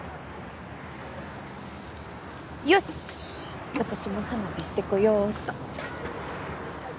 よし私も花火してこよっと。